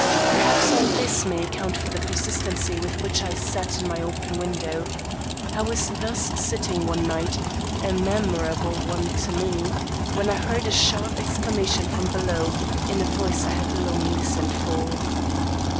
Perhaps all this may account for the persistency with which I sat in my open window. I was thus sitting one night a memorable one to me when I heard a sharp exclamation from below, in a voice I had long listened for.